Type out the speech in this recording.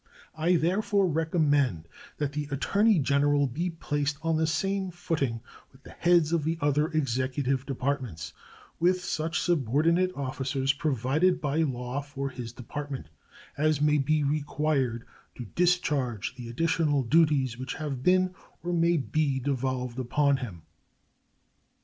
I therefore recommend that the Attorney General be placed on the same footing with the heads of the other Executive Departments, with such subordinate officers provided by law for his Department as may be required to discharge the additional duties which have been or may be devolved upon him.